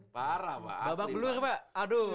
parah pak asli babak belua ke pak aduh